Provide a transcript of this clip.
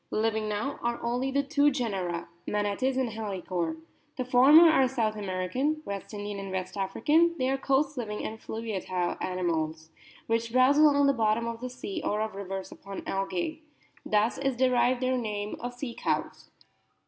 Living now are only the two genera, Manatus and Halicore. The former are South American, West Indian, and West African; they are coast living and fluyiatile animals, which browse along" the bottom of the sea or of rivers O upon algae. Thus is derived their name of Sea cows.